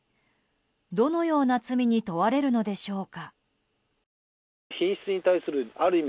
どのような罪に問われるのでしょうか。